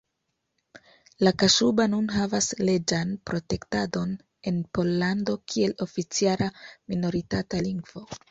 La kaŝuba nun havas leĝan protektadon en Pollando kiel oficiala minoritata lingvo.